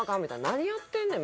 何やってんねん！